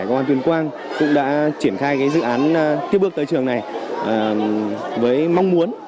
công an tuyên quang cũng đã triển khai dự án tiếp bước tới trường này với mong muốn